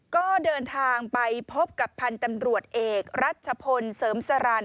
ก็เดินทางไปพบกับพันธุ์ตำรวจเอกรัชพลเสริมสรรค